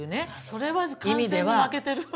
それは完全に負けてるわ。